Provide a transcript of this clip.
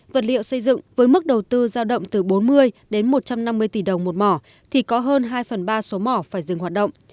vật liệu xây dựng với mức đầu tư giao động từ bốn mươi đến một trăm năm mươi tỷ đồng một mỏ thì có hơn hai phần ba số mỏ phải dừng hoạt động